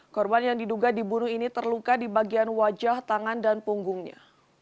korban yang diduga dibunuh ini terluka di bagian wajah tangan dan punggungnya